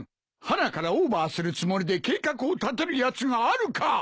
はなからオーバーするつもりで計画を立てるやつがあるか！